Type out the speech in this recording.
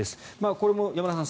これも山田さん